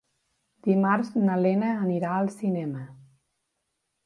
Dimarts na Lena anirà al cinema.